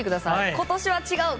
今年は違う。